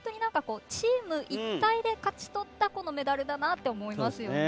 チーム一体で勝ち取ったメダルだなと思います。